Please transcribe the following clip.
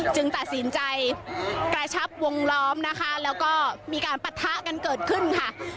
ตัดสินใจกระชับวงล้อมนะคะแล้วก็มีการปะทะกันเกิดขึ้นค่ะ